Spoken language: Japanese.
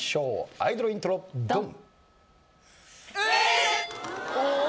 アイドルイントロドン！